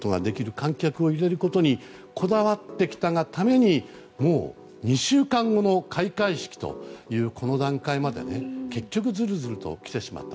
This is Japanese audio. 観客を入れることにこだわってきたがためにもう２週間後の開会式というこの段階まで結局ずるずると来てしまった。